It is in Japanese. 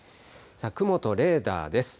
雲とレーダーです。